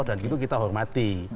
dan itu kita hormati